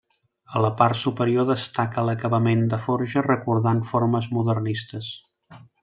A la part superior destaca l'acabament de forja recordant formes modernistes.